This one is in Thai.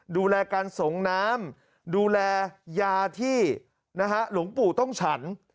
ดูแลการส่งน้ำดูแลยาที่นะฮะหลวงปู่ต้องฉัน